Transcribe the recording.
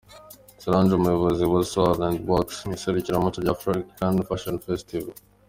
Solange umuyobozi wa Sol&Wax mu iserukiramuco rya 'African Fashion Festival'.